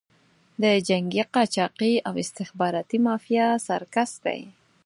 د جنګي قاچاقي او استخباراتي مافیا سرکس دی.